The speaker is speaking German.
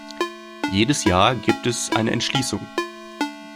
Jedes Jahr gibt es eine Entschließung.